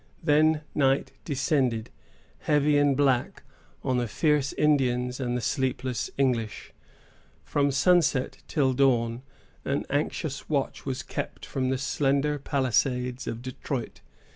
Then night descended, heavy and black, on the fierce Indians and the sleepless English. From sunset till dawn, an anxious watch was kept from the slender palisades of Detroit.